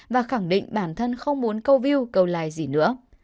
và khẳng định bản thân không muốn câu view câu like gì nữa